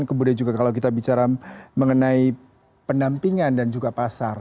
kemudian juga kalau kita bicara mengenai penampingan dan juga pasar